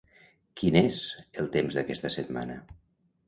Quin és el temps d'aquesta setmana?